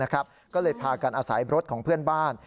ก็เลยพากันอาศัยรถของเพื่อนบ้าน